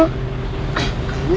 ah kamu sih